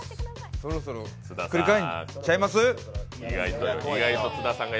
そろそろひっくり返るんちゃいます？